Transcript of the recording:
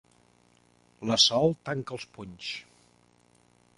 La Sol tanca els punys.